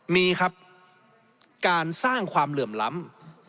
มีครับการสร้างความเหลื่อมล้ำ